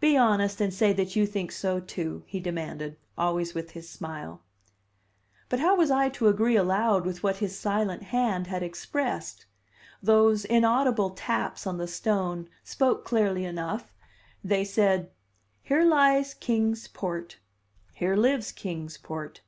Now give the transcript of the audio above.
"Be honest and say that you think so, too," he demanded, always with his smile. But how was I to agree aloud with what his silent hand had expressed? Those inaudible taps on the stone spoke clearly enough; they said: "Here lies Kings Port, here lives Kings Port.